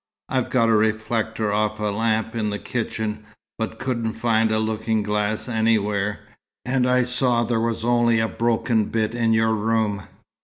I've got a reflector off a lamp in the kitchen, but couldn't find a looking glass anywhere, and I saw there was only a broken bit in your room.